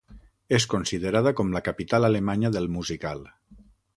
És considerada com la capital alemanya del musical.